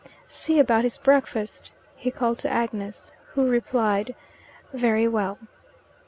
"See about his breakfast," he called to Agnes, who replied, "Very well."